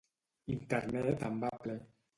Internet en va ple.